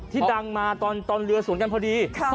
ที่ดังมาตอนเรือศูนย์กันพอดี